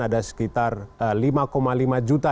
ada sekitar lima lima juta